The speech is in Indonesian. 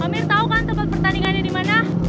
pertandingannya di mana